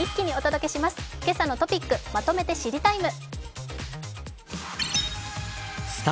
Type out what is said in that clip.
「けさのトピックまとめて知りＴＩＭＥ，」。